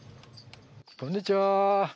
こんにちは。